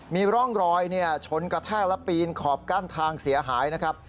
มีร่องรอยชนกระแทกและปีนขอบกั้นทางเสียหายนะครับ